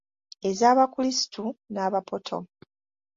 Ez'abakulisitu n’abapoto.